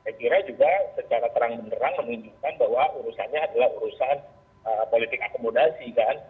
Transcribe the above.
saya kira juga secara terang benerang menunjukkan bahwa urusannya adalah urusan politik akomodasi kan